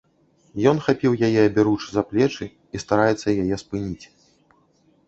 Ён хапіў яе аберуч за плечы і стараецца яе спыніць.